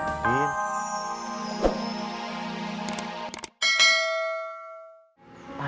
percaya sama sobi